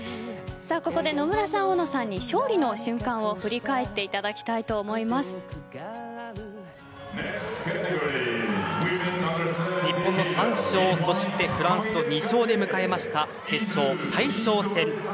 ここで野村さん、大野さんに勝利の瞬間を振り返っていただきたい日本の３勝そしてフランスの２勝で迎えました、決勝大将戦です。